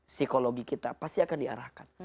psikologi kita pasti akan diarahkan